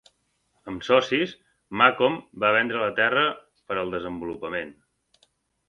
Amb socis, Macomb va vendre la terra per al desenvolupament.